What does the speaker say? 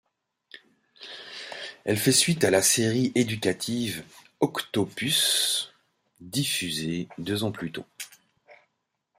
Elle fait suite à la série éducative Octo-puce diffusée deux ans plus tôt.